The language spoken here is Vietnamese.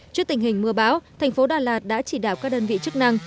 trước tình hình mưa bão thành phố đà lạt đã chỉ đạo các đơn vị chức năng